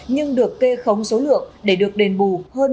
nhưng được kê khống số lượng để được đền bù hơn một mươi bảy tỷ đồng